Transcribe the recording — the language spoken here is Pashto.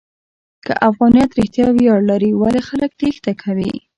که افغانیت رښتیا ویاړ لري، ولې خلک تېښته کوي؟